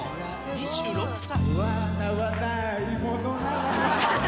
２６歳。